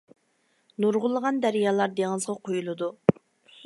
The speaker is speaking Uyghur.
نۇرغۇنلىغان دەريالار دېڭىزغا قۇيۇلىدۇ.